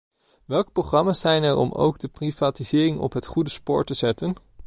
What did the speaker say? Welke programma's zijn er om ook de privatisering op het goede spoor te zetten?